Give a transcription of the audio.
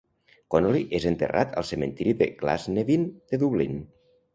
Connolly és enterrat al cementiri de Glasnevin de Dublín.